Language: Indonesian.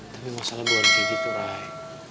tapi masalah bukan kayak gitu ray